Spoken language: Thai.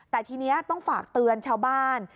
แต่ทีนี้ต้องฝากเตือนชาวบ้าน